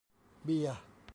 เบียร์ !